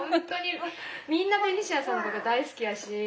みんなベニシアさんのこと大好きやし。